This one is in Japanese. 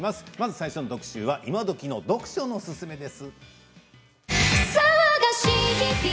最初の特集は今どきの読書のすすめです。